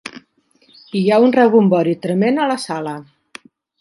Hi ha un rebombori tremend a la sala.